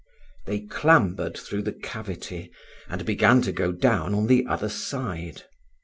They clambered through the cavity, and began to go down on the other side.